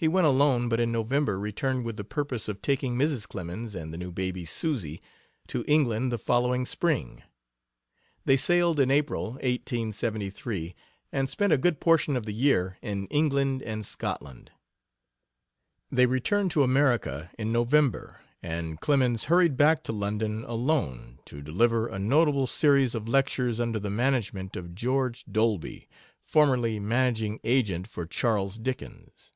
He went alone, but in November returned with the purpose of taking Mrs. Clemens and the new baby, Susy, to England the following spring. They sailed in April, 1873, and spent a good portion of the year in England and Scotland. They returned to America in November, and Clemens hurried back to London alone to deliver a notable series of lectures under the management of George Dolby, formerly managing agent for Charles Dickens.